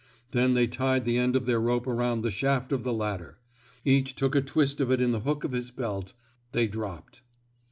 Then they tied the end of their rope around the shaft of the ladder; each took a twist of it in the hook of his belt ; they dropped.